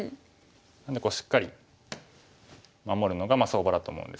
なのでしっかり守るのが相場だと思うんですけど。